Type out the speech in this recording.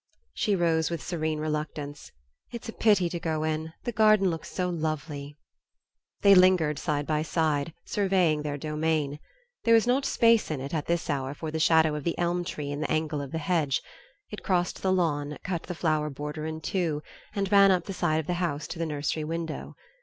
She rose with serene reluctance. "It's a pity to go in. The garden looks so lovely." They lingered side by side, surveying their domain. There was not space in it, at this hour, for the shadow of the elm tree in the angle of the hedge; it crossed the lawn, cut the flower border in two, and ran up the side of the house to the nursery window.